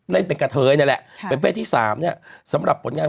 เล่นเป็นกะเทยนี่แหละเป็นเพศที่สามเนี่ยสำหรับผลงาน